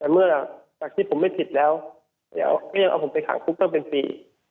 แต่เมื่อจากที่ผมไม่ผิดแล้วเดี๋ยวก็ยังเอาผมไปขังคุกตั้งเป็นปี